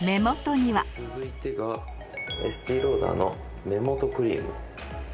エスティローダーの目元クリーム。